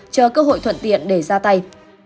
chờ cơ hội thuận tiện để ra tay